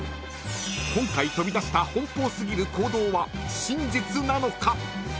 ［今回飛び出した奔放過ぎる行動は真実なのか？］